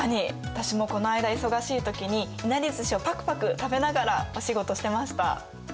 私もこの間忙しい時にいなりずしをパクパク食べながらお仕事してました。